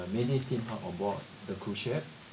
bukan hanya roller coaster